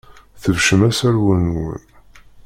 Tbeccem aserwal-nwen.